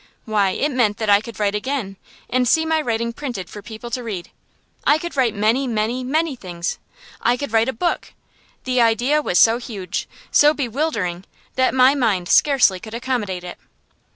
Why, it meant that I could write again, and see my writing printed for people to read! I could write many, many, many things: I could write a book! The idea was so huge, so bewildering, that my mind scarcely could accommodate it.